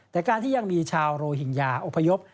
แต่การที่ยังมีชาวโรฮิงญาอพยพ